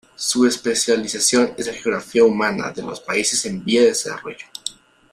Su especialización es la Geografía Humana de los Países en vía de Desarrollo.